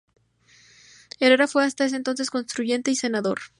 Herrera fue hasta ese entonces constituyente y senador.